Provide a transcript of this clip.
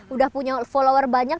udah punya follower banyak